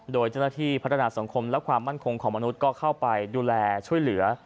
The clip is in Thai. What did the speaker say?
โดยเจ้าหน้าที่พัฒนาสังคมและความมั่นคงของมนุษย์ก็เข้าไปดูแลช่วยเหลือ